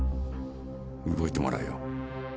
動いてもらうよ。